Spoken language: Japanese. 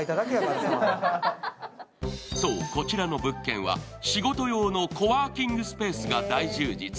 そう、こちらの物件は仕事用のコワーキングスペースが大充実。